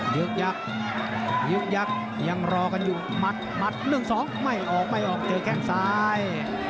ยุคยักษ์ยังรอกันอยู่หมัดหมัดเนื่องสองไม่ออกไม่ออกเจอแก้งซ้าย